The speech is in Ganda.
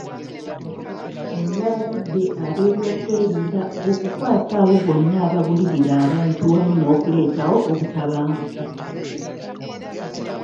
Ono yalagidde ab'ebyokwerinda okukwata abo bonna abagulirira abantu wamu n'okuleetawo obutabanguko.